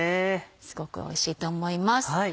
すごくおいしいと思います。